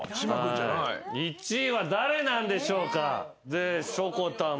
１位は誰なんでしょうか？